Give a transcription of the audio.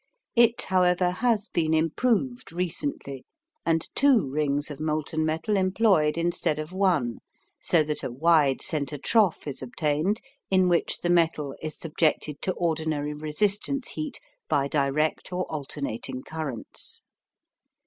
It, however, has been improved recently and two rings of molten metal employed instead of one so that a wide centre trough is obtained in which the metal is subjected to ordinary resistance heat by direct or alternating currents.